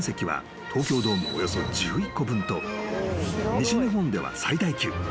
［西日本では最大級。